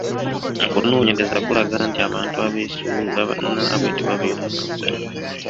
Okunoonyereza kulaga nti abantu abeesuula bannaabwe tebabeera n'assanyu.